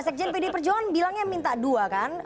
sekjen pdi perjuangan bilangnya minta dua kan